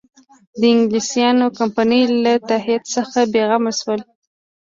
د انګلیسیانو کمپنۍ له تهدید څخه بېغمه شول.